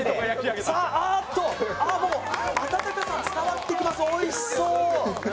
ああ、もう温かさ伝わってきますね、おいしそう。